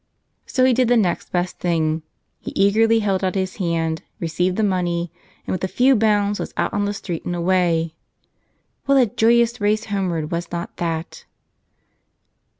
So he did the next best thing; he eagerly held out his hand, received the money, and with a few bounds was out on the street and away. What a joyous race homeward was not that!